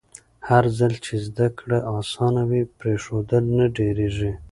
هرځل چې زده کړه اسانه وي، پرېښودل نه ډېرېږي.